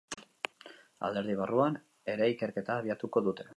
Alderdi barruan ere ikerketa abiatuko dute.